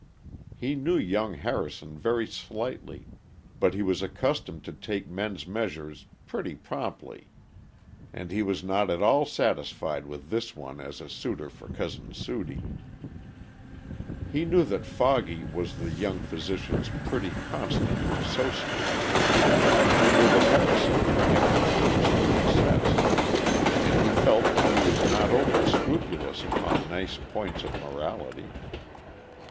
He knew young Harrison very slightly, but he was accustomed to take men's measures pretty promptly, and he was not at all satisfied with this one as a suitor for Cousin Sudie. He knew that Foggy was the young physician's pretty constant associate. He knew that Harrison drank at times to excess, and he felt that he was not over scrupulous upon nice points of morality.